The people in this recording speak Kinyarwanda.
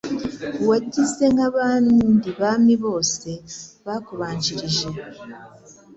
Wagize nk'abandi Bami bose bakubanjirije